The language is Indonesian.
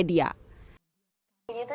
jadi itu ya kak apakah masih nge live